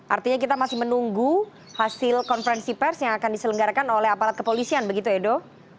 artinya kita masih menunggu hasil konferensi pers yang akan diselenggarakan oleh aparat kepolisian begitu edo